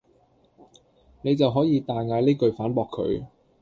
你就可以大嗌呢句反駁佢